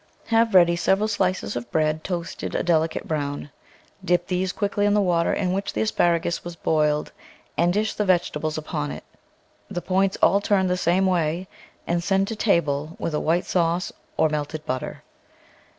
Have ready several slices of bread toasted a deli cate brown ; dip these quickly in the water in which the asparagus was boiled and dish the vegetables upon it, the points all turned the same way, and send to table with a white sauce or melted butter.